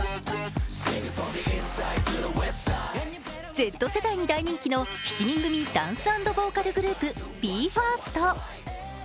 Ｚ世代に大人気の７人組ダンス＆ボーカルグループＢＥ：ＦＩＲＳＴ。